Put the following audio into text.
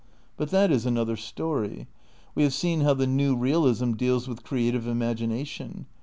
But that is another story. We have seen how the new realism deals with creative imagination.